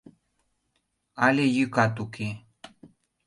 Але йӱкат уке.